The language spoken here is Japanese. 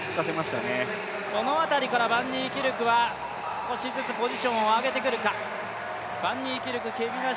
この辺りからバンニーキルクは少しずつポジションを上げてくるか。